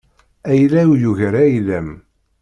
Ayla-w yugar ayla-m.